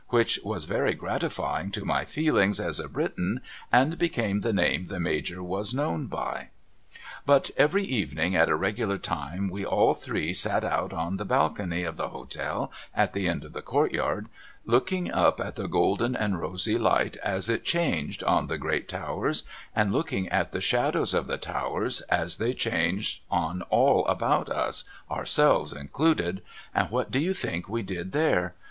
' which was very gratifying to my feelings as a Briton and became the name the Major was known by. But every evening at a regular time we all three sat out in the balcony of the hotel at the end of the courtyard, looking up at the golden and rosy light as it changed on the great towers, and looking at the shadows of the towers as they changed on all about us our selves included, and what do you think we did there